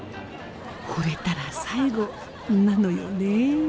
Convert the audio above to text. ほれたら最後なのよねえ。